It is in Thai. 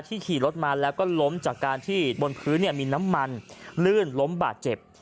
ขี่รถมาแล้วก็ล้มจากการที่บนพื้นมีน้ำมันลื่นล้มบาดเจ็บ